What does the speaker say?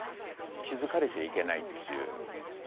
気付かれちゃいけないっていう。